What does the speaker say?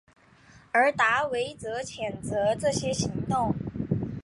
而达维特则谴责这些行动。